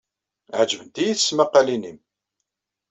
Ɛejbent-iyi tesmaqqalin-nnem.